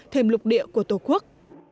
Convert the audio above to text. thêm lục địa của tổ quốc